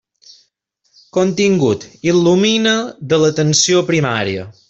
Contingut: Il·lumina de l'atenció primària.